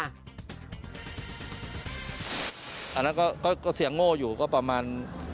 อันนั้นก็เสียงโง่อยู่ก็ประมาณ